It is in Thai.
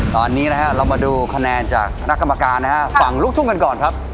ตอนนี้นะฮะเรามาดูคะแนนจากคณะกรรมการนะฮะฝั่งลูกทุ่งกันก่อนครับ